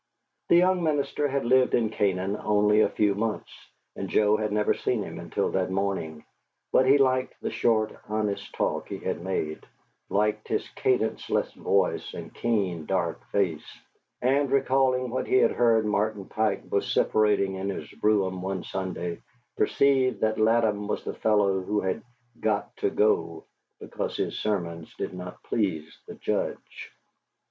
The young minister had lived in Canaan only a few months, and Joe had never seen him until that morning; but he liked the short, honest talk he had made; liked his cadenceless voice and keen, dark face; and, recalling what he had heard Martin Pike vociferating in his brougham one Sunday, perceived that Ladew was the fellow who had "got to go" because his sermons did not please the Judge.